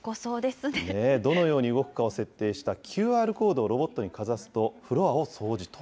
どのように動くかを設定したＱＲコードをロボットにかざすと、フロアを掃除と。